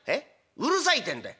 「うるさいってんだよ」。